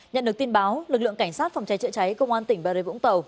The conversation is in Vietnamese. nhận được tin báo lực lượng cảnh sát phòng cháy chữa cháy công an tỉnh bà rê vũng tàu